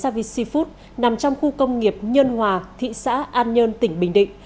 xavi seafood nằm trong khu công nghiệp nhân hòa thị xã an nhơn tỉnh bình định